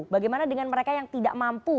bagaimana dengan mereka yang tidak mampu